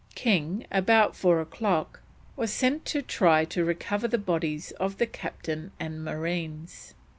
King, about four o'clock, was sent to try to recover the bodies of the Captain and marines.